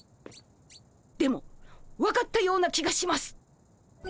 でも分かったような気がします。